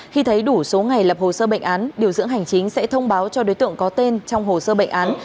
khi thấy đủ số ngày lập hồ sơ bệnh án điều dưỡng hành chính sẽ thông báo cho đối tượng có tên trong hồ sơ bệnh án